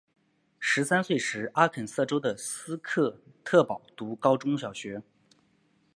十三岁时阿肯色州的斯科特堡读高小学。